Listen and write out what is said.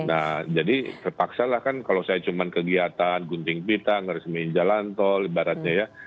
nah jadi terpaksalah kan kalau saya cuma kegiatan gunting pita ngeresmiin jalan tol ibaratnya ya